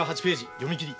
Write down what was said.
読み切り。